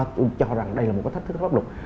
tôi cho rằng đây là một cái thách thức pháp luật